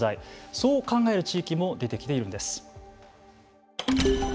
そう考える地域も出てきているんです。